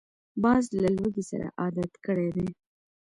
باز له لوږې سره عادت کړی دی